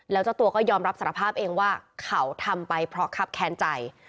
แล้วเจ้าตัวก็ยอมรับสารภาพเองว่าเขาทำไปเพราะคับแค้นใจ